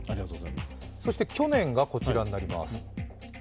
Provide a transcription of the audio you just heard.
そして去年がこちらになります。